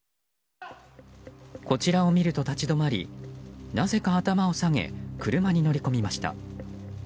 こちらを見ると、立ち止まりなぜか頭を下げ車に乗り込みました。